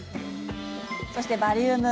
そして、バリウム。